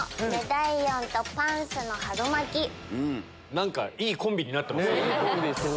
何かいいコンビになってますね。